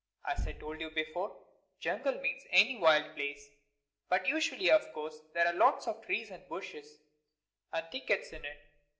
As I told you before, jungle means any wild place; but usually, of course, there are lots of trees and bushes and thickets in it.